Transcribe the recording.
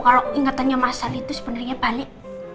kalau ingetannya mas ali itu sebenarnya balik